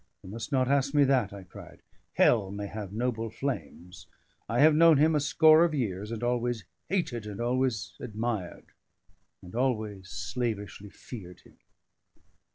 "You must not ask me that!" I cried. "Hell may have noble flames. I have known him a score of years, and always hated, and always admired, and always slavishly feared him."